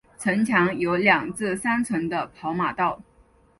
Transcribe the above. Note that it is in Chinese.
城墙有二至三层的跑马道。